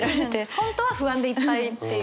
本当は不安でいっぱいっていう。